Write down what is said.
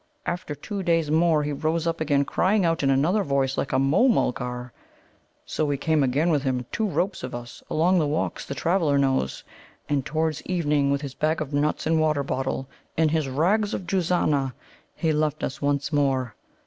After two days more he rose up again, crying out in another voice, like a Môh mulgar. So we came again with him, two 'ropes' of us, along the walks the traveller knows. And towards evening, with his bag of nuts and water bottle, in his rags of Juzana, he left us once more.